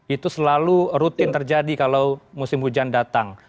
itu selalu rutin terjadi kalau musim hujan datang